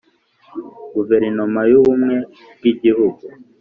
Guverinoma y ubumwe bw igihugu